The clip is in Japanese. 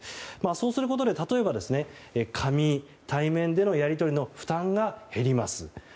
そうすることで例えば紙、対面でのやり取りでの負担が減ります。